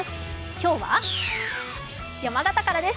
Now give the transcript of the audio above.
今日は山形からです。